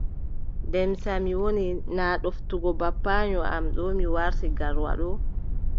Demsa mi woni. naa ɗoftugo babbaayo am mi warti Garwa ɗo.